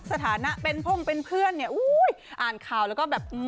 สถานะเป็นพ่งเป็นเพื่อนอ่านข่าวแล้วก็แบบ